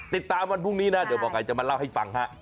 วันพรุ่งนี้นะเดี๋ยวหมอไก่จะมาเล่าให้ฟังฮะ